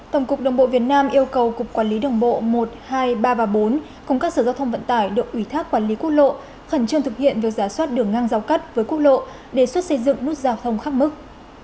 tổng cục đồng bộ việt nam yêu cầu cục quản lý đồng bộ một hai ba và bốn cùng các sở giao thông vận tải được ủy thác quản lý quốc lộ khẩn trương thực hiện việc giả soát đường ngang giao cắt với quốc lộ đề xuất xây dựng nút giao thông khắc mức